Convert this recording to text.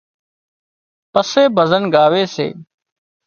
پسي ڀزن ڳاوي سي